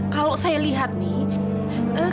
kalau saya lihat nih